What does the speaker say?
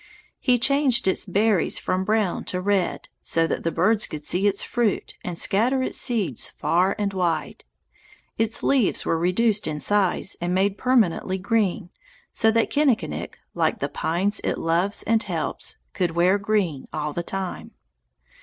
He changed its berries from brown to red, so that the birds could see its fruit and scatter its seeds far and wide. Its leaves were reduced in size and made permanently green, so that Kinnikinick, like the pines it loves and helps, could wear green all the time.